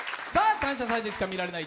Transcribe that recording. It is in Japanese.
「感謝祭」でしか見られない！